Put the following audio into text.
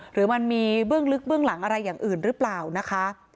หรือมันมีเบื้องลึกเบื้องหลังอะไรอย่างอื่นหรือเปล่านะคะ